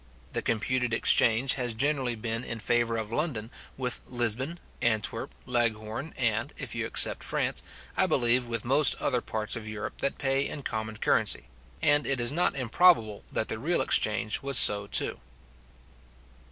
The computed exchange has generally been in favour of London with Lisbon, Antwerp, Leghorn, and, if you except France, I believe with most other parts of Europe that pay in common currency; and it is not improbable that the real exchange was so too.